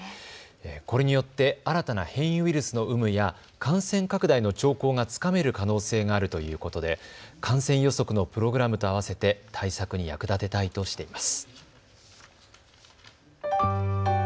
これによって新たな変異ウイルスの有無や感染拡大の兆候がつかめる可能性があるということで感染予測のプログラムとあわせて対策に役立てたいとしています。